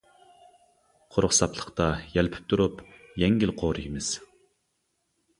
قۇرۇق ساپلىقتا يەلپۈپ تۇرۇپ يەڭگىل قورۇيمىز.